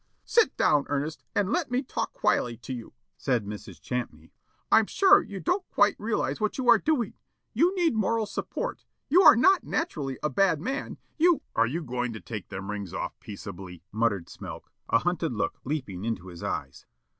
"Sit down, Ernest, and let me talk quietly to you," said Mrs. Champney. "I'm sure you don't quite realize what you are doing. You need moral support. You are not naturally a bad man. You " "Are you goin' to take them rings off peaceably?" muttered Smilk, a hunted look leaping into his eyes.